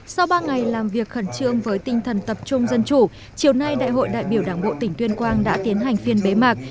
sau ba ngày làm việc khẩn trương với tinh thần tập trung dân chủ chiều nay đại hội đại biểu đảng bộ tỉnh tuyên quang đã tiến hành phiên bế mạc